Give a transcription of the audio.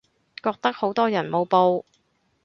覺得好多人冇報